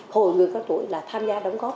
hội người cao tuổi là tham gia đóng góp